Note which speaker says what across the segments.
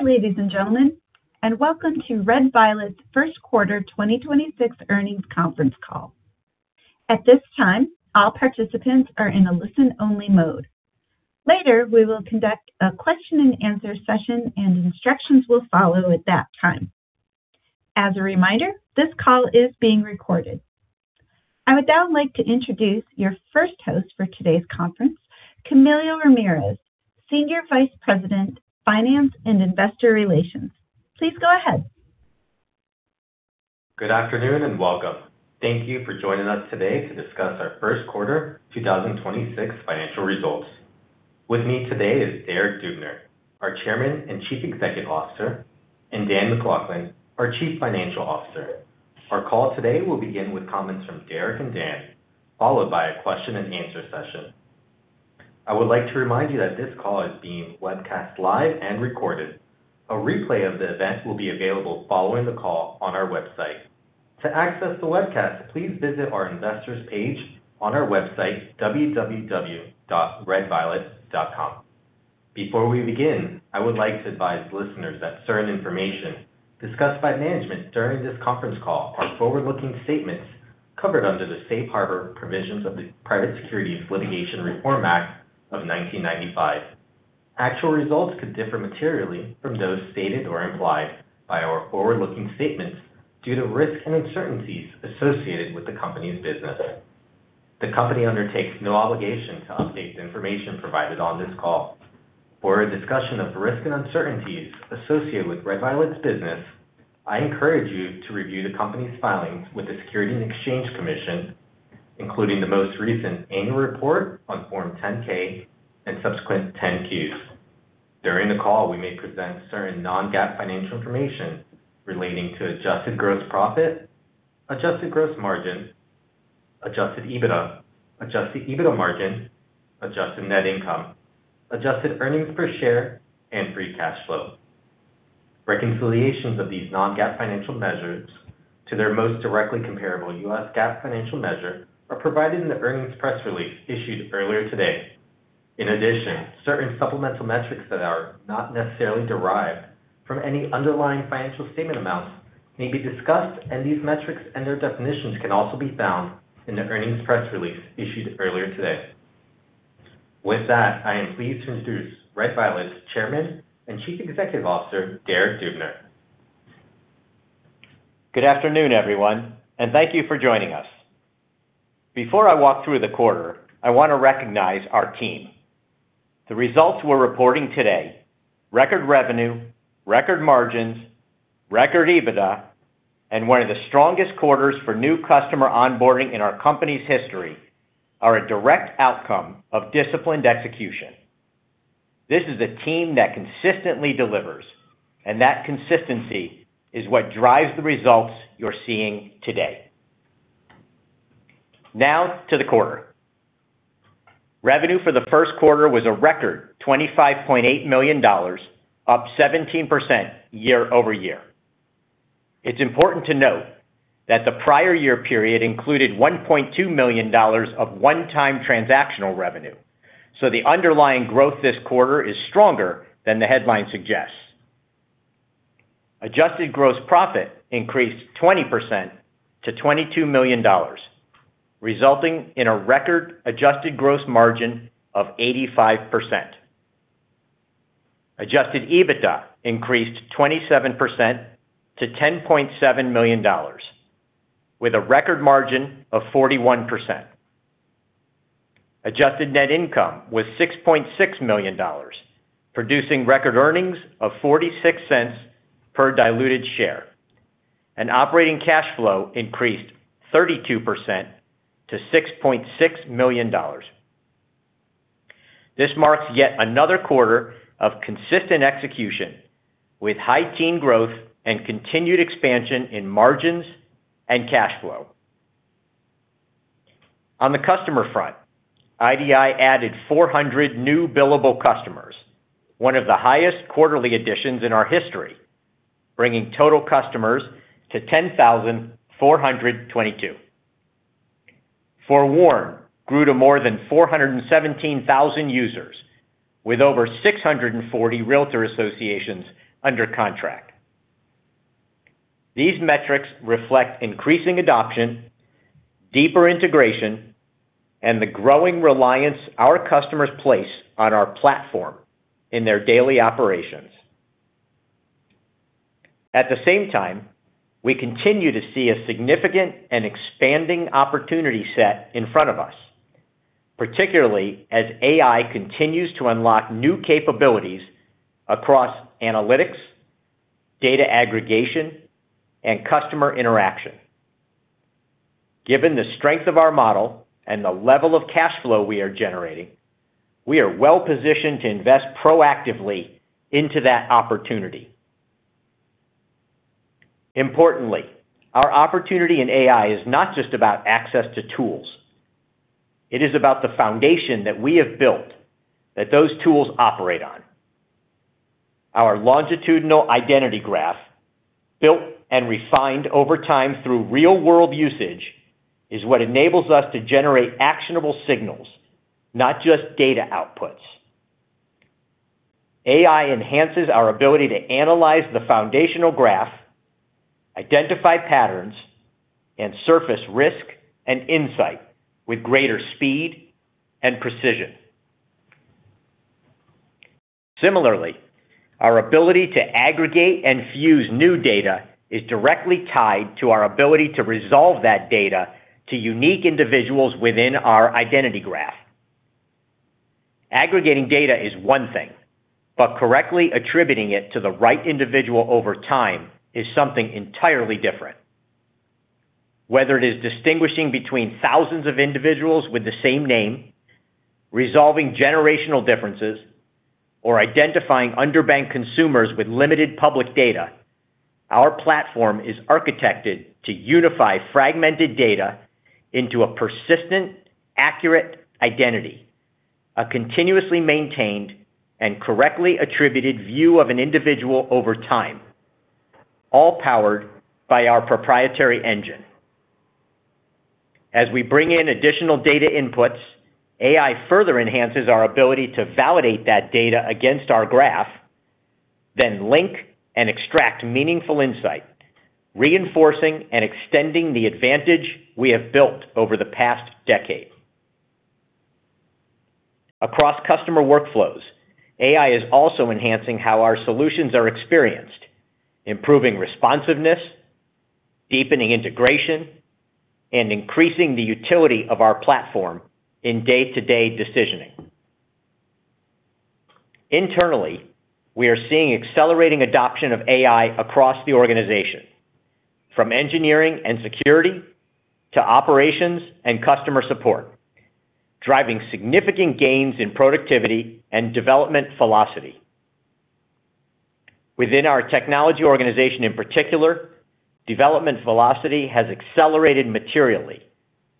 Speaker 1: Good day, ladies and gentlemen, and welcome to Red Violet's First Quarter 2026 Earnings Conference Call. At this time, all participants are in a listen-only mode. Later, we will conduct a question and answer session, and instructions will follow at that time. As a reminder, this call is being recorded. I would now like to introduce your first host for today's conference, Camilo Ramirez, Senior Vice President, Finance and Investor Relations. Please go ahead.
Speaker 2: Good afternoon, and welcome. Thank you for joining us today to discuss our first quarter 2026 financial results. With me today is Derek Dubner, our Chairman and Chief Executive Officer, and Dan MacLachlan, our Chief Financial Officer. Our call today will begin with comments from Derek and Dan, followed by a question and answer session. I would like to remind you that this call is being webcast live and recorded. A replay of the event will be available following the call on our website. To access the webcast, please visit our Investor's page on our website, www.redviolet.com. Before we begin, I would like to advise listeners that certain information discussed by management during this conference call are forward-looking statements covered under the safe harbor provisions of the Private Securities Litigation Reform Act of 1995. Actual results could differ materially from those stated or implied by our forward-looking statements due to risks and uncertainties associated with the company's business. The company undertakes no obligation to update the information provided on this call. For a discussion of risks and uncertainties associated with Red Violet's business, I encourage you to review the company's filings with the Securities and Exchange Commission, including the most recent annual report on Form 10-K and subsequent 10-Qs. During the call, we may present certain non-GAAP financial information relating to adjusted gross profit, adjusted gross margins, adjusted EBITDA, adjusted EBITDA margin, adjusted net income, adjusted earnings per share, and free cash flow. Reconciliations of these non-GAAP financial measures to their most directly comparable U.S. GAAP financial measure are provided in the earnings press release issued earlier today. In addition, certain supplemental metrics that are not necessarily derived from any underlying financial statement amounts may be discussed, and these metrics and their definitions can also be found in the earnings press release issued earlier today. With that, I am pleased to introduce Red Violet's Chairman and Chief Executive Officer, Derek Dubner.
Speaker 3: Good afternoon, everyone, and thank you for joining us. Before I walk through the quarter, I want to recognize our team. The results we're reporting today, record revenue, record margins, record EBITDA, and one of the strongest quarters for new customer onboarding in our company's history, are a direct outcome of disciplined execution. This is a team that consistently delivers, and that consistency is what drives the results you're seeing today. Now, to the quarter. Revenue for the first quarter was a record $25.8 million, up 17% year-over-year. It's important to note that the prior year period included $1.2 million of one-time transactional revenue, so the underlying growth this quarter is stronger than the headline suggests. Adjusted gross profit increased 20% to $22 million, resulting in a record adjusted gross margin of 85%. Adjusted EBITDA increased 27% to $10.7 million with a record margin of 41%. Adjusted net income was $6.6 million, producing record earnings of $0.46 per diluted share. Operating cash flow increased 32% to $6.6 million. This marks yet another quarter of consistent execution with high teen growth and continued expansion in margins and cash flow. On the customer front, IDI added 400 new billable customers, one of the highest quarterly additions in our history, bringing total customers to 10,422. For FOREWARN, grew to more than 417,000 users with over 640 realtor associations under contract. These metrics reflect increasing adoption, deeper integration, and the growing reliance our customers place on our platform in their daily operations. At the same time, we continue to see a significant and expanding opportunity set in front of us, particularly as AI continues to unlock new capabilities across analytics, data aggregation, and customer interaction. Given the strength of our model and the level of cash flow we are generating, we are well-positioned to invest proactively into that opportunity. Importantly, our opportunity in AI is not just about access to tools. It is about the foundation that we have built that those tools operate on. Our longitudinal identity graph, built and refined over time through real-world usage, is what enables us to generate actionable signals, not just data outputs. AI enhances our ability to analyze the foundational graph, identify patterns, and surface risk and insight with greater speed and precision. Similarly, our ability to aggregate and fuse new data is directly tied to our ability to resolve that data to unique individuals within our identity graph. Aggregating data is one thing, but correctly attributing it to the right individual over time is something entirely different. Whether it is distinguishing between thousands of individuals with the same name, resolving generational differences, or identifying underbanked consumers with limited public data, our platform is architected to unify fragmented data into a persistent, accurate identity, a continuously maintained and correctly attributed view of an individual over time, all powered by our proprietary engine. As we bring in additional data inputs, AI further enhances our ability to validate that data against our graph, then link and extract meaningful insight, reinforcing and extending the advantage we have built over the past decade. Across customer workflows, AI is also enhancing how our solutions are experienced, improving responsiveness, deepening integration, and increasing the utility of our platform in day-to-day decisioning. Internally, we are seeing accelerating adoption of AI across the organization, from engineering and security to operations and customer support, driving significant gains in productivity and development velocity. Within our technology organization in particular, development velocity has accelerated materially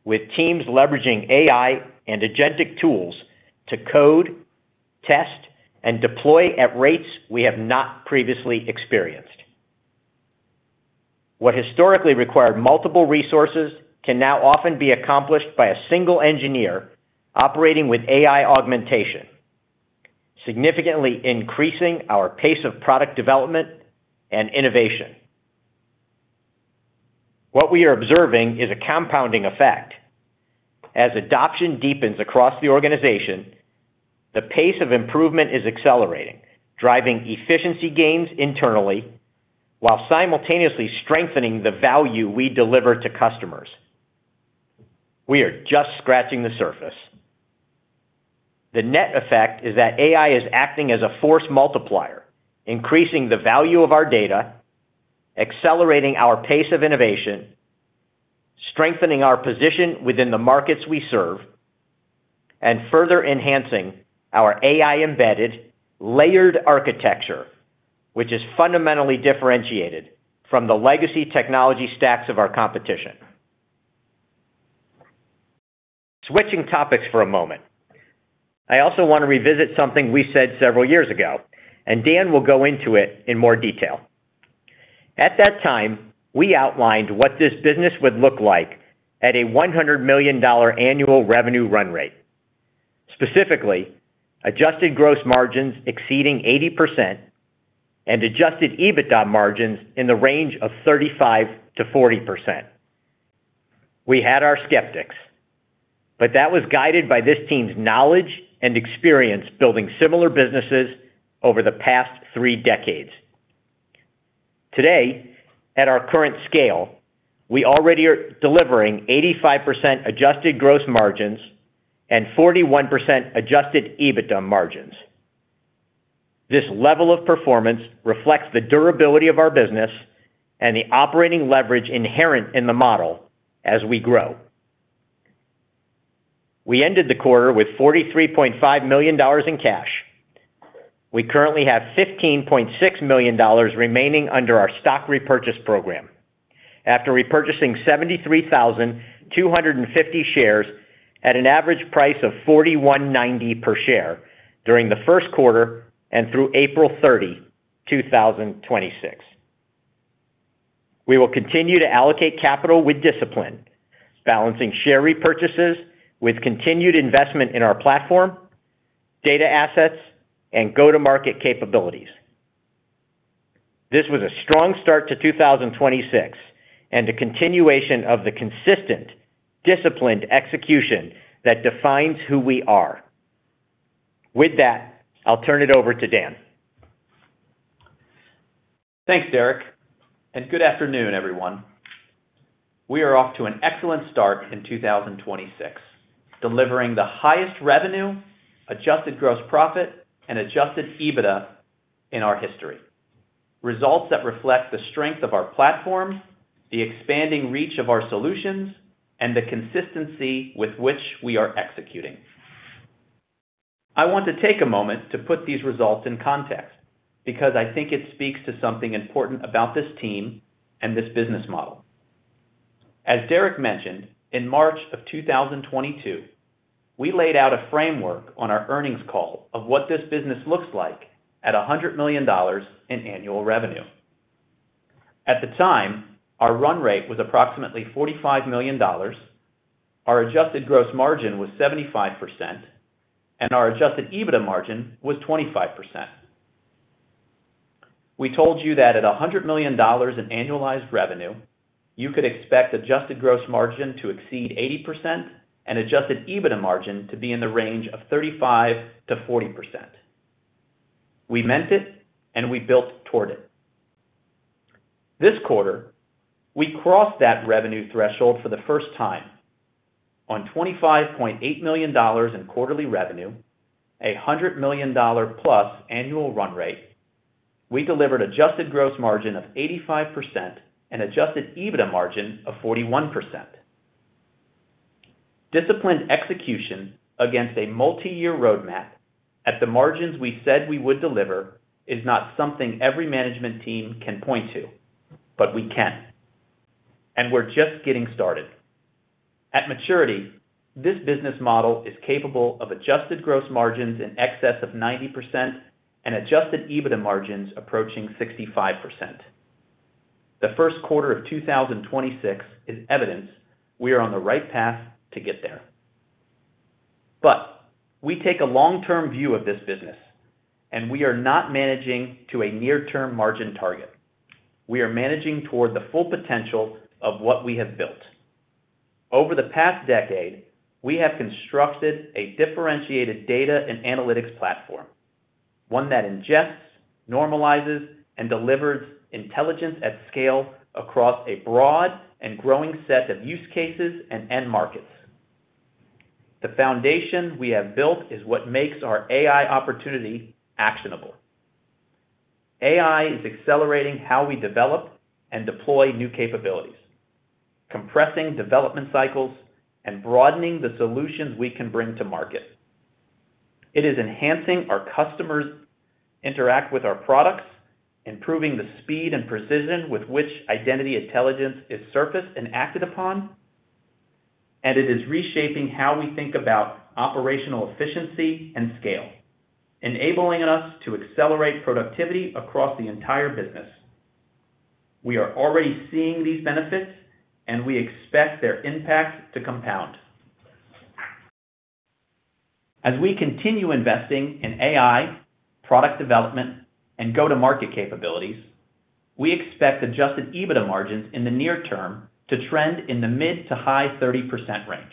Speaker 3: with teams leveraging AI and agentic tools to code, test, and deploy at rates we have not previously experienced. What historically required multiple resources can now often be accomplished by a single engineer operating with AI augmentation, significantly increasing our pace of product development and innovation. What we are observing is a compounding effect. As adoption deepens across the organization, the pace of improvement is accelerating, driving efficiency gains internally while simultaneously strengthening the value we deliver to customers. We are just scratching the surface. The net effect is that AI is acting as a force multiplier, increasing the value of our data, accelerating our pace of innovation, strengthening our position within the markets we serve, and further enhancing our AI-embedded layered architecture, which is fundamentally differentiated from the legacy technology stacks of our competition. Switching topics for a moment. I also want to revisit something we said several years ago, and Dan will go into it in more detail. At that time, we outlined what this business would look like at a $100 million annual revenue run rate, specifically adjusted gross margin exceeding 80% and adjusted EBITDA margins in the range of 35%-40%. We had our skeptics, but that was guided by this team's knowledge and experience building similar businesses over the past three decades. Today, at our current scale, we already are delivering 85% adjusted gross margin and 41% adjusted EBITDA margins. This level of performance reflects the durability of our business and the operating leverage inherent in the model as we grow. We ended the quarter with $43.5 million in cash. We currently have $15.6 million remaining under our stock repurchase program after repurchasing 73,250 shares at an average price of $41.90 per share during the first quarter and through April 30, 2026. We will continue to allocate capital with discipline, balancing share repurchases with continued investment in our platform, data assets, and go-to-market capabilities. This was a strong start to 2026 and a continuation of the consistent, disciplined execution that defines who we are. With that, I'll turn it over to Dan.
Speaker 4: Thanks, Derek, and good afternoon, everyone. We are off to an excellent start in 2026, delivering the highest revenue, adjusted gross profit, and adjusted EBITDA in our history, results that reflect the strength of our platforms, the expanding reach of our solutions, and the consistency with which we are executing. I want to take a moment to put these results in context because I think it speaks to something important about this team and this business model. As Derek mentioned, in March of 2022, we laid out a framework on our earnings call of what this business looks like at $100 million in annual revenue. At the time, our run rate was approximately $45 million, our adjusted gross margin was 75%, and our adjusted EBITDA margin was 25%. We told you that at $100 million in annualized revenue, you could expect adjusted gross margin to exceed 80% and adjusted EBITDA margin to be in the range of 35%-40%. We meant it and we built toward it. This quarter, we crossed that revenue threshold for the first time on $25.8 million in quarterly revenue, a $100 million-plus annual run rate. We delivered adjusted gross margin of 85% and adjusted EBITDA margin of 41%. Disciplined execution against a multiyear roadmap at the margins we said we would deliver is not something every management team can point to, but we can, and we're just getting started. At maturity, this business model is capable of adjusted gross margin in excess of 90% and adjusted EBITDA margins approaching 65%. The first quarter of 2026 is evidence we are on the right path to get there. We take a long-term view of this business, and we are not managing to a near-term margin target. We are managing toward the full potential of what we have built. Over the past decade, we have constructed a differentiated data and analytics platform, one that ingests, normalizes, and delivers intelligence at scale across a broad and growing set of use cases and end markets. The foundation we have built is what makes our AI opportunity actionable. AI is accelerating how we develop and deploy new capabilities, compressing development cycles, and broadening the solutions we can bring to market. It is enhancing our customers interact with our products, improving the speed and precision with which identity intelligence is surfaced and acted upon, and it is reshaping how we think about operational efficiency and scale, enabling us to accelerate productivity across the entire business. We are already seeing these benefits, and we expect their impact to compound. As we continue investing in AI, product development, and go-to-market capabilities, we expect adjusted EBITDA margins in the near term to trend in the mid to high 30% range.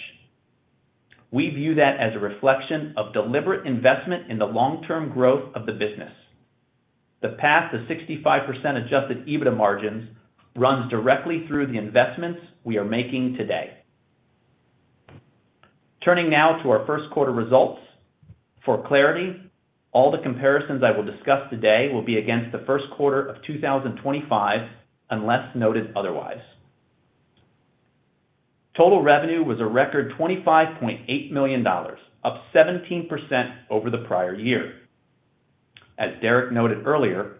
Speaker 4: We view that as a reflection of deliberate investment in the long-term growth of the business. The path to 65% adjusted EBITDA margins runs directly through the investments we are making today. Turning now to our first quarter results. For clarity, all the comparisons I will discuss today will be against the first quarter of 2025, unless noted otherwise. Total revenue was a record $25.8 million, up 17% over the prior year. As Derek noted earlier,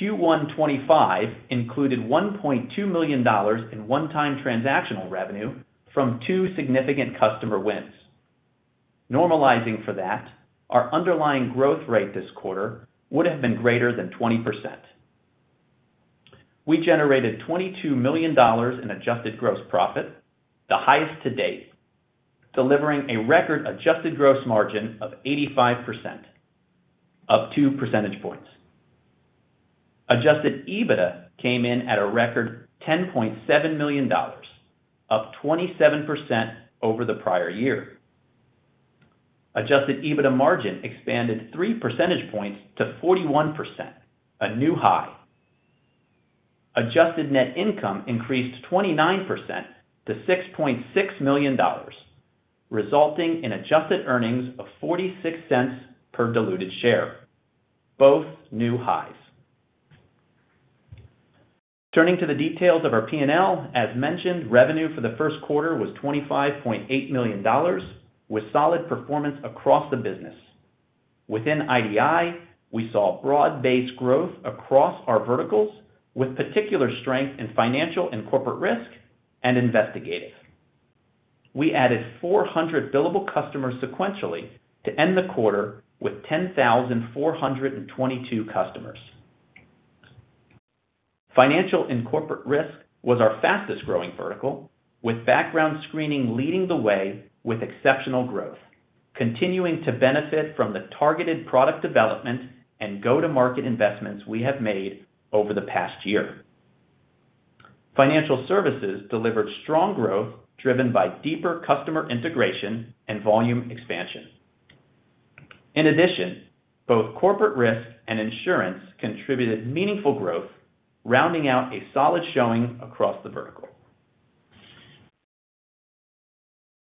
Speaker 4: Q1 2025 included $1.2 million in one-time transactional revenue from two significant customer wins. Normalizing for that, our underlying growth rate this quarter would have been greater than 20%. We generated $22 million in adjusted gross profit, the highest to date, delivering a record adjusted gross margin of 85%, up 2 percentage points. Adjusted EBITDA came in at a record $10.7 million, up 27% over the prior year. Adjusted EBITDA margin expanded 3 percentage points to 41%, a new high. Adjusted net income increased 29% to $6.6 million, resulting in adjusted earnings of $0.46 per diluted share, both new highs. Turning to the details of our P&L, as mentioned, revenue for the first quarter was $25.8 million, with solid performance across the business. Within IDI, we saw broad-based growth across our verticals, with particular strength in Financial and Corporate Risk and Investigative. We added 400 billable customers sequentially to end the quarter with 10,422 customers. Financial and Corporate Risk was our fastest-growing vertical, with background screening leading the way with exceptional growth, continuing to benefit from the targeted product development and go-to-market investments we have made over the past year. Financial services delivered strong growth driven by deeper customer integration and volume expansion. In addition, both Corporate Risk and insurance contributed meaningful growth, rounding out a solid showing across the vertical.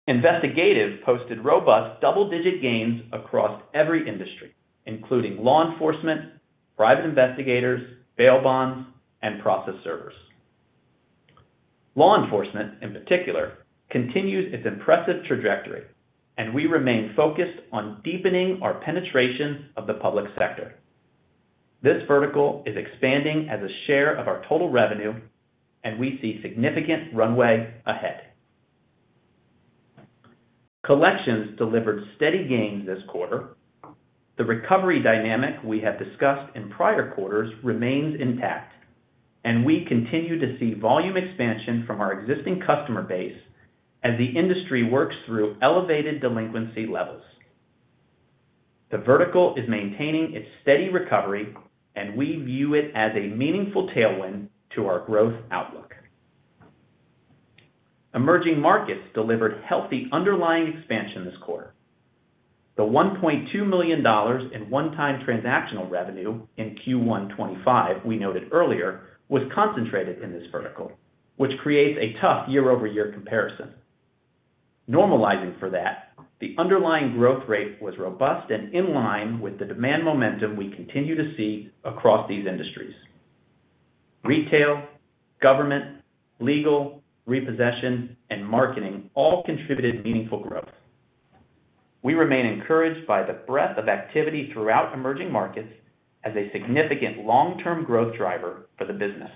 Speaker 4: Investigative posted robust double-digit gains across every industry, including law enforcement, private investigators, bail bonds, and process servers. Law enforcement, in particular, continued its impressive trajectory. We remain focused on deepening our penetration of the public sector. This vertical is expanding as a share of our total revenue. We see significant runway ahead. Collections delivered steady gains this quarter. The recovery dynamic we have discussed in prior quarters remains intact. We continue to see volume expansion from our existing customer base as the industry works through elevated delinquency levels. The vertical is maintaining its steady recovery. We view it as a meaningful tailwind to our growth outlook. Emerging markets delivered healthy underlying expansion this quarter. The $1.2 million in one-time transactional revenue in Q1 2025 we noted earlier was concentrated in this vertical, which creates a tough year-over-year comparison. Normalizing for that, the underlying growth rate was robust and in line with the demand momentum we continue to see across these industries. Retail, government, legal, repossession, and marketing all contributed meaningful growth. We remain encouraged by the breadth of activity throughout emerging markets as a significant long-term growth driver for the business.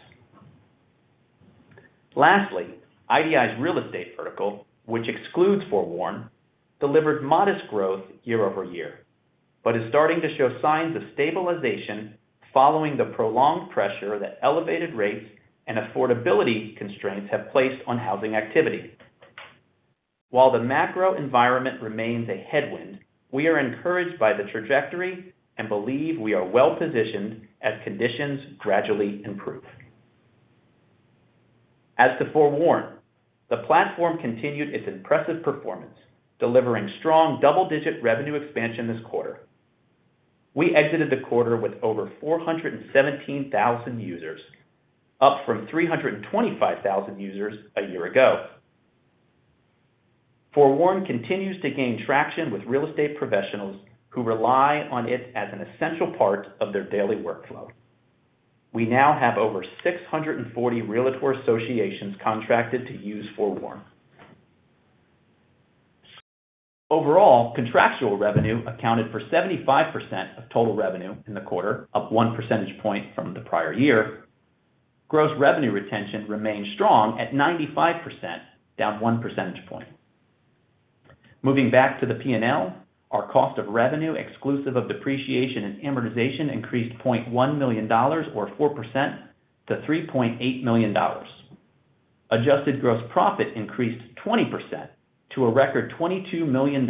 Speaker 4: Lastly, IDI's real estate vertical, which excludes FOREWARN, delivered modest growth year-over-year, but is starting to show signs of stabilization following the prolonged pressure that elevated rates and affordability constraints have placed on housing activity. While the macro environment remains a headwind, we are encouraged by the trajectory and believe we are well-positioned as conditions gradually improve. As to FOREWARN, the platform continued its impressive performance, delivering strong double-digit revenue expansion this quarter. We exited the quarter with over 417,000 users, up from 325,000 users a year ago. FOREWARN continues to gain traction with real estate professionals who rely on it as an essential part of their daily workflow. We now have over 640 realtor associations contracted to use FOREWARN. Overall, contractual revenue accounted for 75% of total revenue in the quarter, up 1 percentage point from the prior year. Gross revenue retention remains strong at 95%, down 1 percentage point. Moving back to the P&L, our cost of revenue exclusive of depreciation and amortization increased $0.1 million, or 4% to $3.8 million. Adjusted gross profit increased 20% to a record $22 million,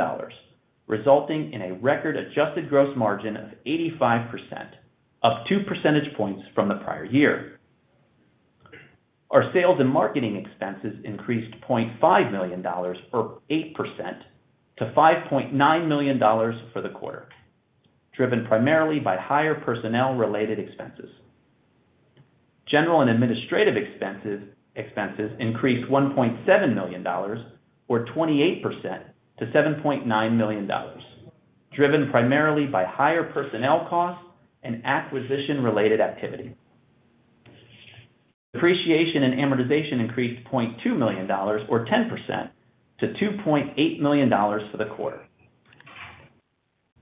Speaker 4: resulting in a record adjusted gross margin of 85%, up 2 percentage points from the prior year. Our sales and marketing expenses increased $0.5 million, or 8% to $5.9 million for the quarter, driven primarily by higher personnel-related expenses. General and administrative expenses increased $1.7 million, or 28% to $7.9 million, driven primarily by higher personnel costs and acquisition-related activity. Depreciation and amortization increased $0.2 million or 10% to $2.8 million for the quarter.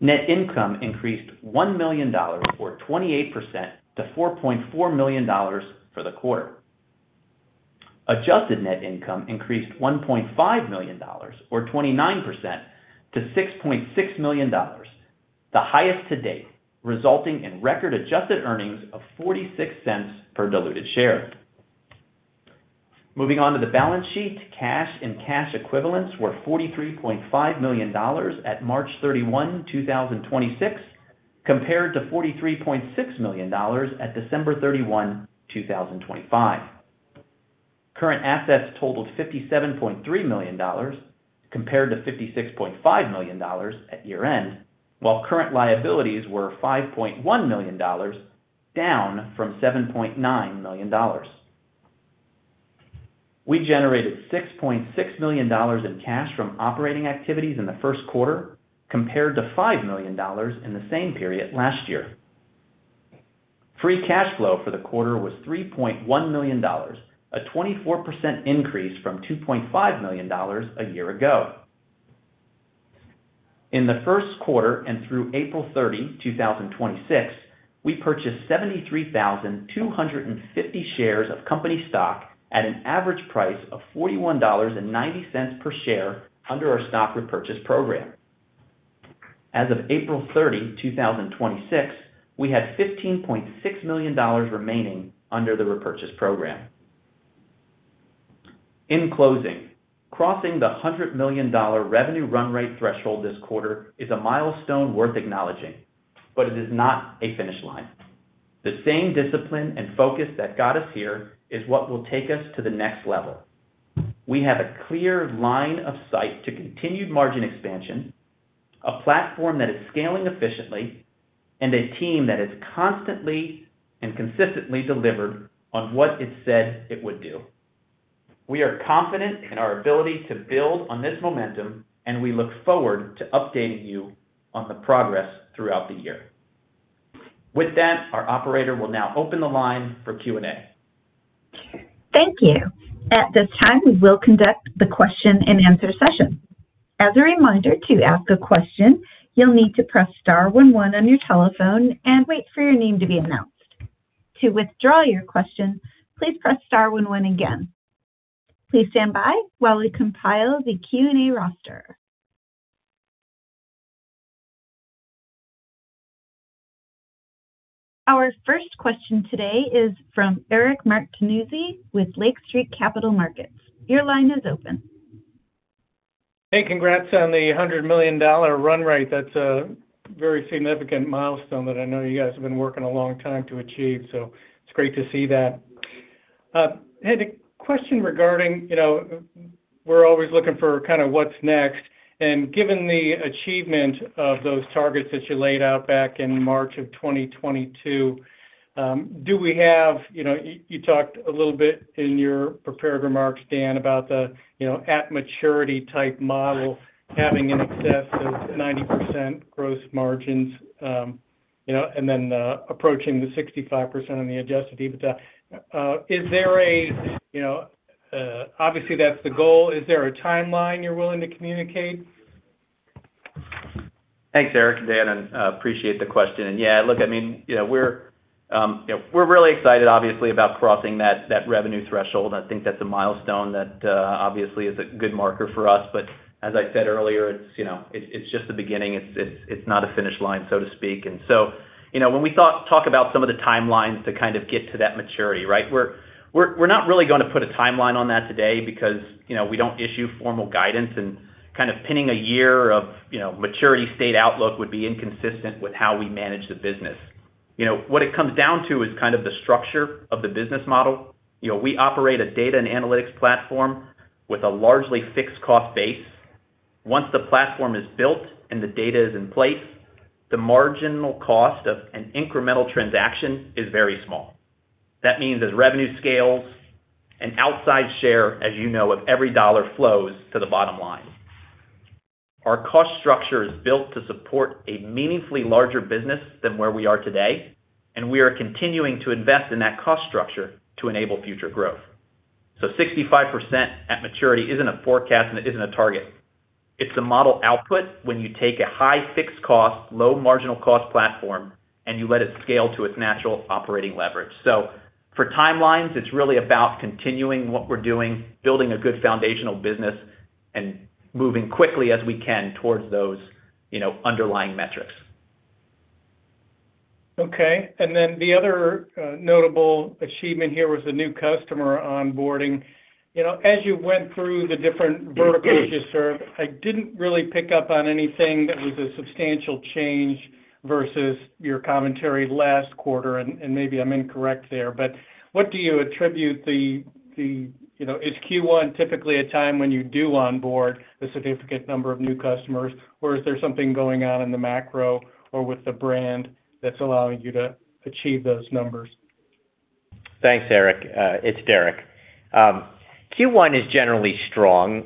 Speaker 4: Net income increased $1 million or 28% to $4.4 million for the quarter. Adjusted net income increased $1.5 million or 29% to $6.6 million, the highest to date, resulting in record adjusted earnings of $0.46 per diluted share. Moving on to the balance sheet, cash and cash equivalents were $43.5 million at March 31, 2026, compared to $43.6 million at December 31, 2025. Current assets totaled $57.3 million compared to $56.5 million at year-end, while current liabilities were $5.1 million, down from $7.9 million. We generated $6.6 million in cash from operating activities in the first quarter compared to $5 million in the same period last year. Free cash flow for the quarter was $3.1 million, a 24% increase from $2.5 million a year ago. In the first quarter and through April 30, 2026, we purchased 73,250 shares of company stock at an average price of $41.90 per share under our stock repurchase program. As of April 30, 2026, we had $15.6 million remaining under the repurchase program. In closing, crossing the $100 million revenue run rate threshold this quarter is a milestone worth acknowledging, but it is not a finish line. The same discipline and focus that got us here is what will take us to the next level. We have a clear line of sight to continued margin expansion, a platform that is scaling efficiently, and a team that has constantly and consistently delivered on what it said it would do. We are confident in our ability to build on this momentum, and we look forward to updating you on the progress throughout the year. With that, our operator will now open the line for Q&A.
Speaker 1: Thank you. At this time, we will conduct the question and answer session. As a reminder, to ask a question, you'll need to press star one, one on your telephone and wait for your name to be announced. To withdraw your question, please press star one, one again, Please stand by while we compile the Q&A roster. Our first question today is from Eric Martinuzzi with Lake Street Capital Markets. Your line is open.
Speaker 5: Congrats on the $100 million run rate. That's a very significant milestone that I know you guys have been working a long time to achieve, so it's great to see that. Had a question regarding, you know, we're always looking for kind of what's next. Given the achievement of those targets that you laid out back in March of 2022, you know, you talked a little bit in your prepared remarks, Dan, about the, you know, at maturity type model having in excess of 90% gross margins, you know, and then approaching the 65% on the adjusted EBITDA. Is there a, you know. Obviously, that's the goal. Is there a timeline you're willing to communicate?
Speaker 4: Thanks, Eric. Dan, appreciate the question. I mean, you know, we're really excited obviously about crossing that revenue threshold. I think that's a milestone that obviously is a good marker for us. As I said earlier, you know, it's just the beginning. It's not a finish line, so to speak. You know, when we talk about some of the timelines to kind of get to that maturity, right, we're not really gonna put a timeline on that today because, you know, we don't issue formal guidance and kind of pinning a year of, you know, maturity state outlook would be inconsistent with how we manage the business. You know, what it comes down to is kind of the structure of the business model. You know, we operate a data and analytics platform with a largely fixed cost base. Once the platform is built and the data is in place, the marginal cost of an incremental transaction is very small. That means as revenue scales, an outside share, as you know, of every dollar flows to the bottom line. Our cost structure is built to support a meaningfully larger business than where we are today, and we are continuing to invest in that cost structure to enable future growth. 65% at maturity isn't a forecast, and it isn't a target. It's a model output when you take a high fixed cost, low marginal cost platform, and you let it scale to its natural operating leverage. For timelines, it's really about continuing what we're doing, building a good foundational business, and moving quickly as we can towards those, you know, underlying metrics.
Speaker 5: Okay. The other notable achievement here was the new customer onboarding. You know, as you went through the different verticals you serve, I didn't really pick up on anything that was a substantial change versus your commentary last quarter, and maybe I'm incorrect there. What do you attribute the, you know, is Q1 typically a time when you do onboard a significant number of new customers, or is there something going on in the macro or with the brand that's allowing you to achieve those numbers?
Speaker 3: Thanks, Eric. It's Derek. Q1 is generally strong.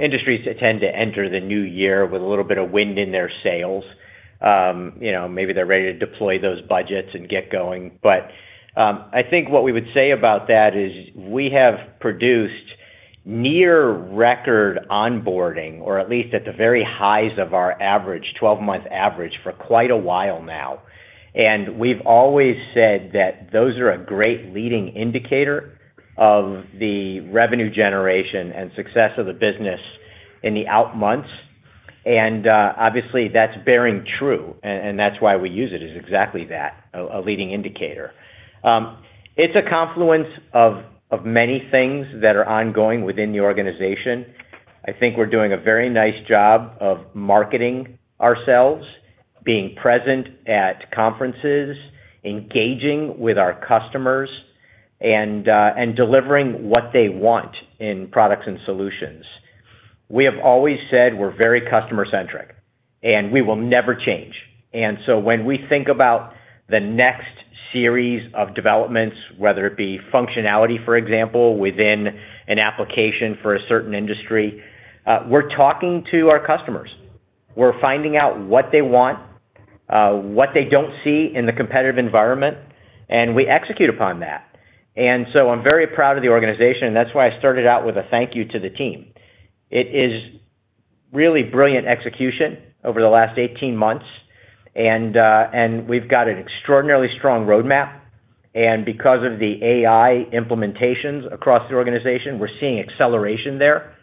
Speaker 3: Industries tend to enter the new year with a little bit of wind in their sails. You know, maybe they're ready to deploy those budgets and get going. I think what we would say about that is we have produced near record onboarding, or at least at the very highs of our average, 12-month average for quite a while now. We've always said that those are a great leading indicator of the revenue generation and success of the business in the out months. Obviously, that's bearing true, and that's why we use it as exactly that, a leading indicator. It's a confluence of many things that are ongoing within the organization. I think we're doing a very nice job of marketing ourselves, being present at conferences, engaging with our customers, and delivering what they want in products and solutions. We have always said we're very customer-centric, and we will never change. When we think about the next series of developments, whether it be functionality, for example, within an application for a certain industry, we're talking to our customers. We're finding out what they want, what they don't see in the competitive environment, and we execute upon that. I'm very proud of the organization. That's why I started out with a thank you to the team. It is really brilliant execution over the last 18 months and we've got an extraordinarily strong roadmap. Because of the AI implementations across the organization, we're seeing acceleration there.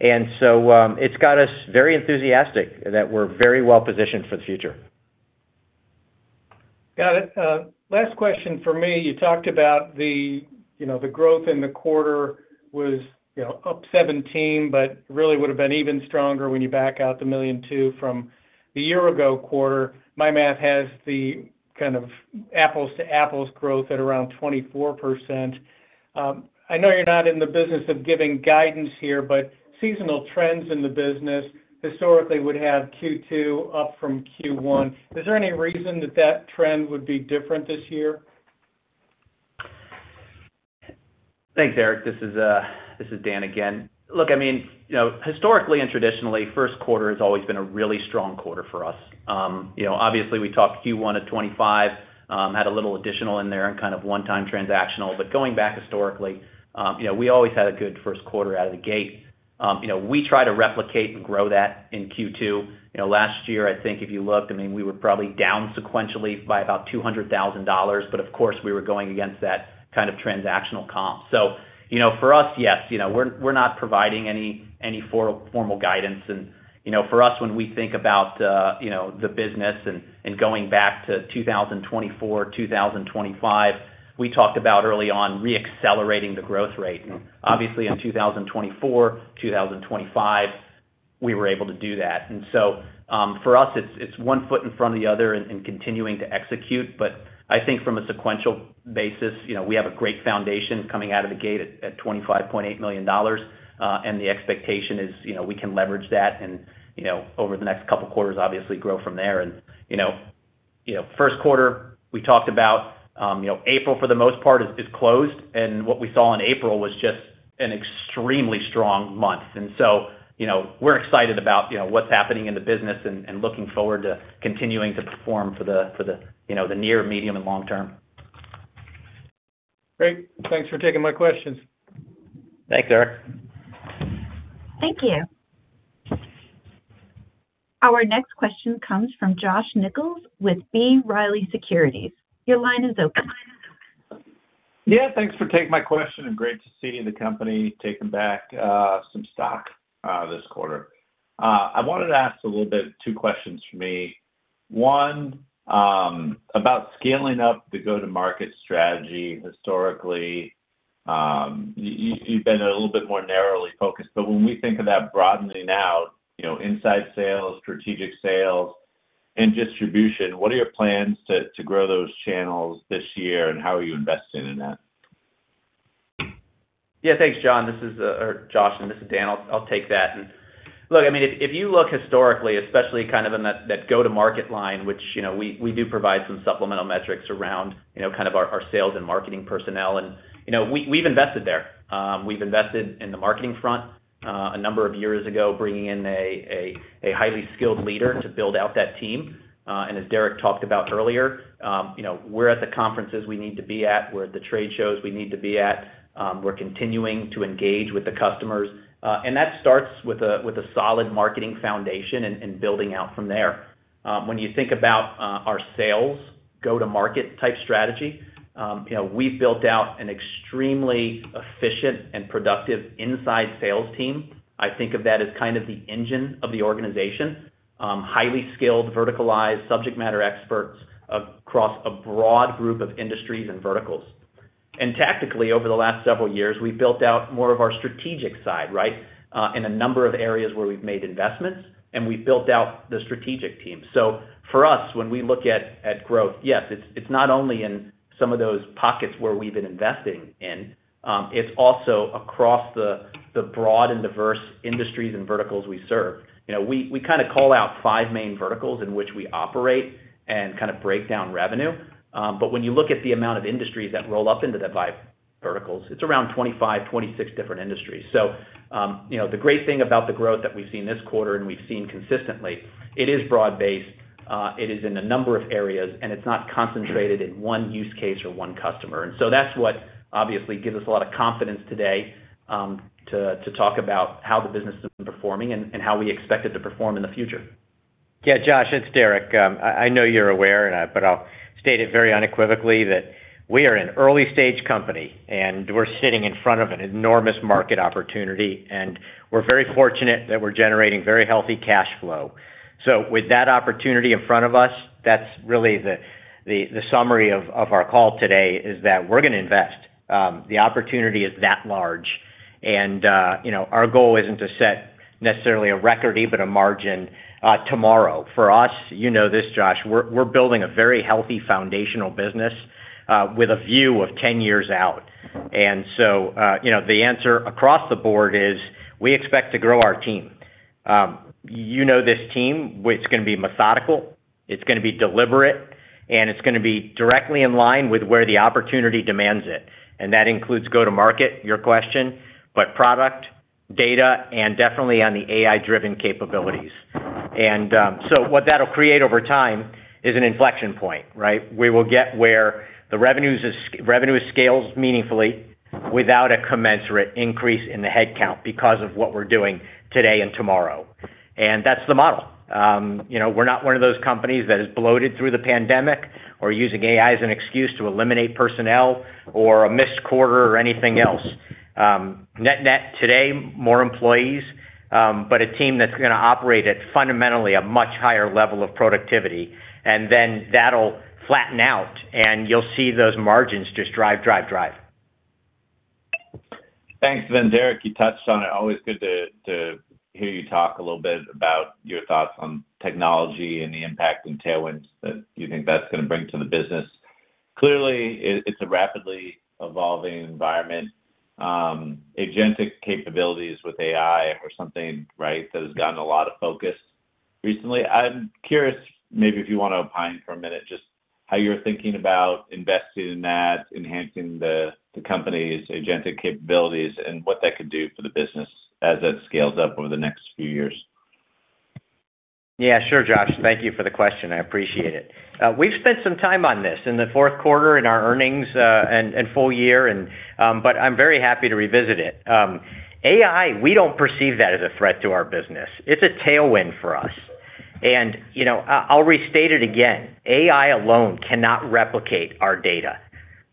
Speaker 3: It's got us very enthusiastic that we're very well positioned for the future.
Speaker 5: Got it. Last question for me. You talked about the, you know, the growth in the quarter was, you know, up 17%, but really would have been even stronger when you back out the $1.2 million from the year ago quarter. My math has the kind of apples to apples growth at around 24%. I know you're not in the business of giving guidance here, but seasonal trends in the business historically would have Q2 up from Q1. Is there any reason that that trend would be different this year?
Speaker 4: Thanks, Eric. This is, this is Dan again. Look, I mean, you know, historically and traditionally, first quarter has always been a really strong quarter for us. You know, obviously we talked Q1 at 2025, had a little additional in there and kind of one-time transactional. Going back historically, you know, we always had a good first quarter out of the gate. You know, we try to replicate and grow that in Q2. You know, last year, I think if you looked, I mean, we were probably down sequentially by about $200,000, of course, we were going against that kind of transactional comp. For us, yes, you know, we're not providing any formal guidance. You know, for us, when we think about, you know, the business and, going back to 2024, 2025, we talked about early on re-accelerating the growth rate. Obviously, in 2024, 2025, we were able to do that. For us, it's one foot in front of the other and continuing to execute. I think from a sequential basis, you know, we have a great foundation coming out of the gate at $25.8 million. The expectation is, you know, we can leverage that and, you know, over the next couple of quarters, obviously grow from there. You know, first quarter we talked about, you know, April for the most part is closed. What we saw in April was just an extremely strong month. You know, we're excited about, you know, what's happening in the business and looking forward to continuing to perform for the, you know, the near, medium and long term.
Speaker 5: Great. Thanks for taking my questions.
Speaker 4: Thanks, Eric.
Speaker 1: Thank you. Our next question comes from Josh Nichols with B. Riley Securities. Your line is open.
Speaker 6: Yeah, thanks for taking my question, great to see the company taking back some stock this quarter. I wanted to ask a little bit two questions for me. One, about scaling up the go-to-market strategy. Historically, you've been a little bit more narrowly focused, but when we think of that broadening out, you know, inside sales, strategic sales and distribution, what are your plans to grow those channels this year, and how are you investing in that?
Speaker 4: Yeah. Thanks, John or Josh, and this is Dan. I'll take that. Look, I mean, if you look historically, especially kind of in that go-to-market line, which, you know, we do provide some supplemental metrics around, you know, kind of our sales and marketing personnel. You know, we've invested there. We've invested in the marketing front, a number of years ago, bringing in a highly skilled leader to build out that team. As Derek talked about earlier, you know, we're at the conferences we need to be at. We're at the trade shows we need to be at. We're continuing to engage with the customers. That starts with a solid marketing foundation and building out from there. When you think about our sales go-to-market type strategy, we've built out an extremely efficient and productive inside sales team. I think of that as kind of the engine of the organization. Highly skilled, verticalized subject matter experts across a broad group of industries and verticals. Tactically, over the last several years, we've built out more of our strategic side, right? In a number of areas where we've made investments, and we've built out the strategic team. For us, when we look at growth, yes, it's not only in some of those pockets where we've been investing in, it's also across the broad and diverse industries and verticals we serve. You know, we kind of call out five main verticals in which we operate and kind of break down revenue. When you look at the amount of industries that roll up into the five verticals, it's around 25-26 different industries. You know, the great thing about the growth that we've seen this quarter and we've seen consistently, it is broad-based, it is in a number of areas, and it's not concentrated in one use case or one customer. That's what obviously gives us a lot of confidence today, to talk about how the business has been performing and how we expect it to perform in the future.
Speaker 3: Yeah, Josh, it's Derek. I know you're aware, but I'll state it very unequivocally that we are an early-stage company, and we're sitting in front of an enormous market opportunity, and we're very fortunate that we're generating very healthy cash flow. With that opportunity in front of us, that's really the, the summary of our call today, is that we're gonna invest. The opportunity is that large. You know, our goal isn't to set necessarily a record EBITDA margin tomorrow. For us, you know this, Josh, we're building a very healthy foundational business with a view of 10 years out. You know, the answer across the board is we expect to grow our team. You know this team. It's gonna be methodical, it's gonna be deliberate, and it's gonna be directly in line with where the opportunity demands it. That includes go-to-market, your question, but product, data, and definitely on the AI-driven capabilities. What that'll create over time is an inflection point, right? We will get where the revenue scales meaningfully without a commensurate increase in the headcount because of what we're doing today and tomorrow. That's the model. You know, we're not one of those companies that is bloated through the pandemic or using AI as an excuse to eliminate personnel or a missed quarter or anything else. Net-net today, more employees, but a team that's gonna operate at fundamentally a much higher level of productivity. That'll flatten out, and you'll see those margins just drive, drive.
Speaker 6: Thanks. Derek, you touched on it. Always good to hear you talk a little bit about your thoughts on technology and the impact and tailwinds that you think that's going to bring to the business. Clearly, it's a rapidly evolving environment, agentic capabilities with AI are something, right, that has gotten a lot of focus recently. I'm curious maybe if you want to opine for a minute just how you're thinking about investing in that, enhancing the company's agentic capabilities and what that could do for the business as that scales up over the next few years.
Speaker 3: Yeah. Sure, Josh. Thank you for the question. I appreciate it. We've spent some time on this in the fourth quarter in our earnings and full year. I'm very happy to revisit it. AI, we don't perceive that as a threat to our business. It's a tailwind for us. You know, I'll restate it again. AI alone cannot replicate our data.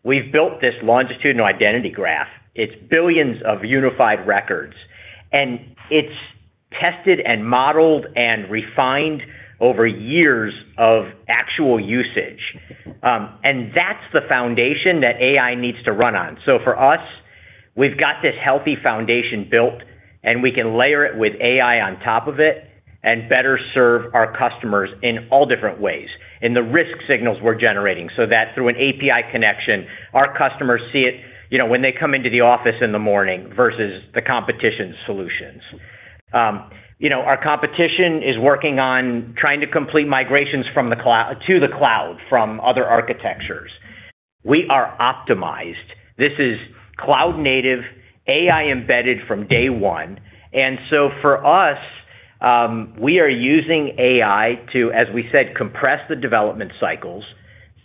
Speaker 3: We've built this longitudinal identity graph. It's billions of unified records, and it's tested and modeled and refined over years of actual usage. That's the foundation that AI needs to run on. For us, we've got this healthy foundation built, and we can layer it with AI on top of it and better serve our customers in all different ways in the risk signals we're generating, so that through an API connection, our customers see it, you know, when they come into the office in the morning versus the competition's solutions. You know, our competition is working on trying to complete migrations to the cloud from other architectures. We are optimized. This is cloud-native, AI-embedded from day one. For us, we are using AI to, as we said, compress the development cycles,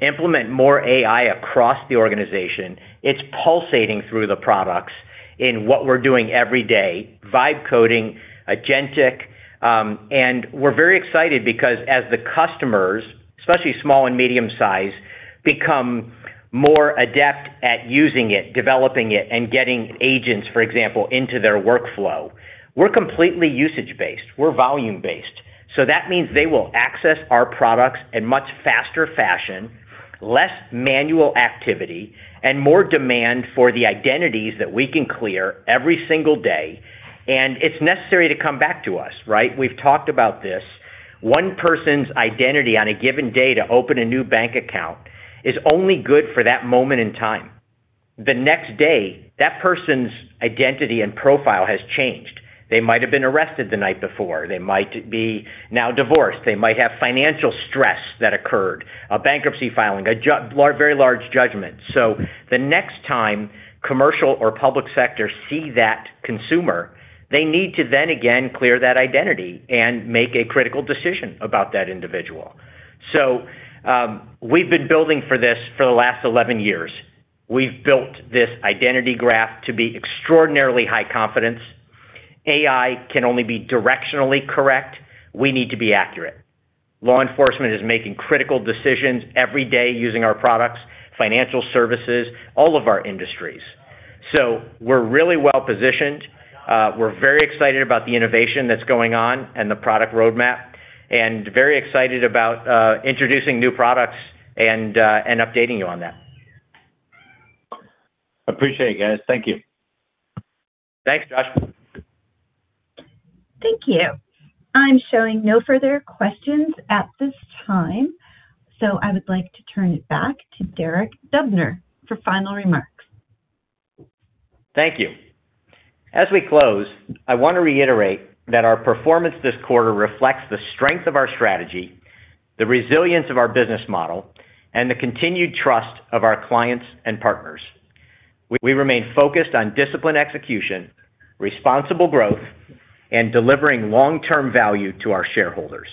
Speaker 3: implement more AI across the organization. It's pulsating through the products in what we're doing every day, vibe coding, agentic. We're very excited because as the customers, especially small and medium-sized, become more adept at using it, developing it, and getting agents, for example, into their workflow, we're completely usage-based. We're volume-based. That means they will access our products in much faster fashion, less manual activity, and more demand for the identities that we can clear every single day. It's necessary to come back to us, right? We've talked about this. One person's identity on a given day to open a new bank account is only good for that moment in time. The next day, that person's identity and profile has changed. They might have been arrested the night before. They might be now divorced. They might have financial stress that occurred, a bankruptcy filing, a very large judgment. The next time commercial or public sector see that consumer, they need to then again clear that identity and make a critical decision about that individual. We've been building for this for the last 11 years. We've built this identity graph to be extraordinarily high confidence. AI can only be directionally correct. We need to be accurate. Law enforcement is making critical decisions every day using our products, financial services, all of our industries. We're really well-positioned. We're very excited about the innovation that's going on and the product roadmap, and very excited about introducing new products and updating you on that.
Speaker 6: Appreciate it, guys. Thank you.
Speaker 3: Thanks, Josh.
Speaker 1: Thank you. I'm showing no further questions at this time. I would like to turn it back to Derek Dubner for final remarks.
Speaker 3: Thank you. As we close, I wanna reiterate that our performance this quarter reflects the strength of our strategy, the resilience of our business model, and the continued trust of our clients and partners. We remain focused on disciplined execution, responsible growth, and delivering long-term value to our shareholders.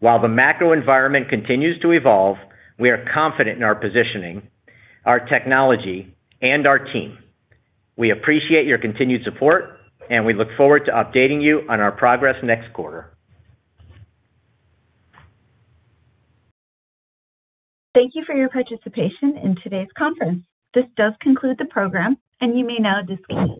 Speaker 3: While the macro environment continues to evolve, we are confident in our positioning, our technology, and our team. We appreciate your continued support, and we look forward to updating you on our progress next quarter.
Speaker 1: Thank you for your participation in today's conference. This does conclude the program, and you may now disconnect.